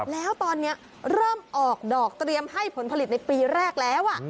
แล้วตอนนี้เริ่มออกดอกเตรียมให้ผลผลิตในปีแรกแล้ว